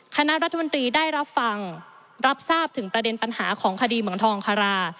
คณะรัฐมนตรีได้รับฟังรับทราบถึงประเด็นปัญหาของคดีเหมืองทองคารา